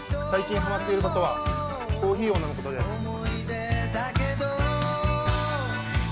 最近ハマっていることはコーヒーを飲むことです。